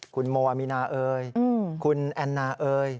คุณโมอามีนาเอ่ยคุณแอนนาเอ่ย